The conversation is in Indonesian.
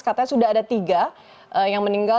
katanya sudah ada tiga yang meninggal